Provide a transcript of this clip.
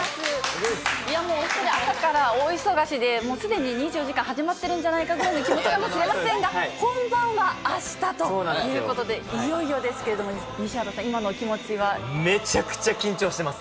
お２人、朝から大忙しで、すでに２４時間始まってるんじゃないかぐらいの気持ちかもしれませんが、本番はあしたということで、いよいよですけれども、めちゃくちゃ緊張してます。